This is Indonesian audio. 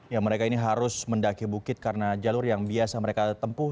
ya mereka ini harus mendaki bukit karena jalur yang biasa mereka tempuh